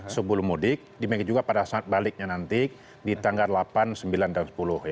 sebelum mudik demikian juga pada saat baliknya nanti di tanggal delapan sembilan dan sepuluh